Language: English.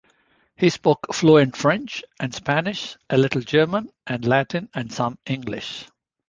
He spoke fluent French and Spanish, a little German and Latin, and some English.